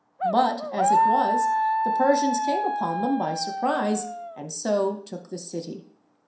But, as it was, the Persians came upon them by surprise and so took the city.